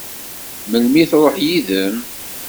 Melmi i tṛuḥ yid-m?